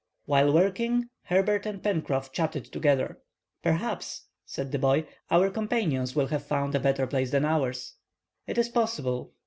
While working, Herbert and Pencroff chatted together. "Perhaps," said the boy, "our companions will have found a better place than ours." "It is possible."